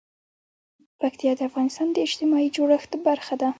پکتیا د افغانستان د اجتماعي جوړښت برخه ده.